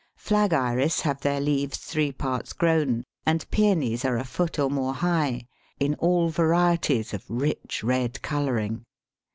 Flag Iris have their leaves three parts grown, and Pæonies are a foot or more high, in all varieties of rich red colouring.